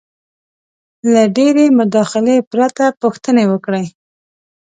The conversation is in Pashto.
-له ډېرې مداخلې پرته پوښتنې وکړئ: